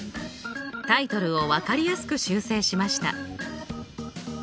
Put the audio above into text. タイトルを分かりやすく修正しました。